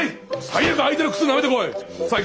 最悪相手の靴なめてこい！